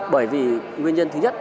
bởi vì nguyên nhân thứ nhất